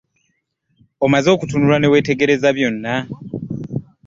Omaze okutunula ne weetegereza byonna?